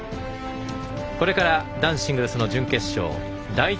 これから男子シングルスの準決勝第１